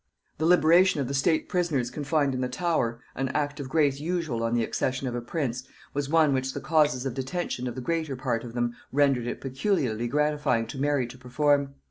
The liberation of the state prisoners confined in the Tower, an act of grace usual on the accession of a prince, was one which the causes of detention of the greater part of them rendered it peculiarly gratifying to Mary to perform.